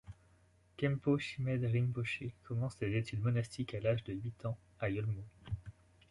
Khenpo Chimed Rinpoché commence ses études monastiques à l’âge de huit ans à Yolmo.